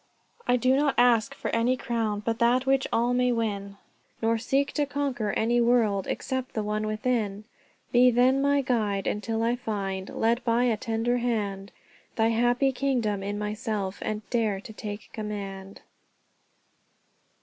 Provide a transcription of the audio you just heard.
"I do not ask for any crown, But that which all may will Nor seek to conquer any world Except the one within. Be then my guide until I find, Led by a tender hand, Thy happy kingdom in myself, And dare to take command."